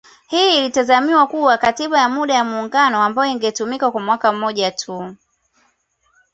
Hii ilitazamiwa kuwa katiba ya muda ya muungano ambayo ingetumika kwa mwaka mmoja tu